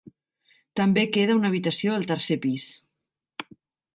També queda una habitació al tercer pis.